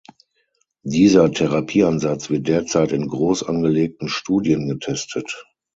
Dieser Therapieansatz wird derzeit in großangelegten Studien getestet.